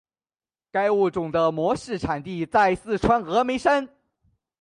该物种的模式产地在四川峨眉山。